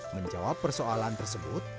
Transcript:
menjawab persoalan tersebut